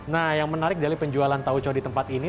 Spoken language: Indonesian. nah yang menarik dari penjualan tauco di tempat ini